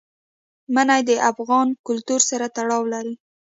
منی د افغان کلتور سره تړاو لري.